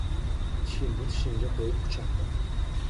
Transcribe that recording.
Tishimni tishimga qo‘yib kuchandim.